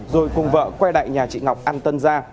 rồi cùng vợ quay đại nhà chị ngọc ăn tân ra